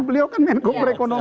beliau kan menko prekonomian